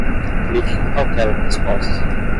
Clique com cautela na resposta!